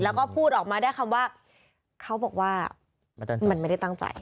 แล้วก็พูดออกมาได้คำว่าเขาบอกว่ามันไม่ได้ตั้งใจ